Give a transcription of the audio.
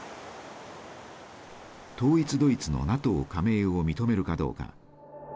統一ドイツのＮＡＴＯ加盟を認めるかどうか。